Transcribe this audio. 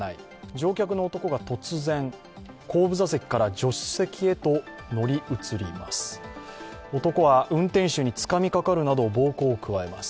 乗客の男が突然、後部座席から助手席へと乗り移ります。